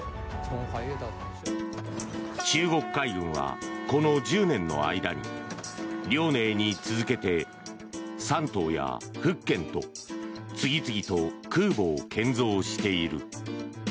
中国海軍はこの１０年の間に「遼寧」に続けて「山東」や「福建」と次々と空母を建造している。